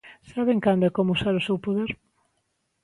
Saben cando e como usar o seu poder.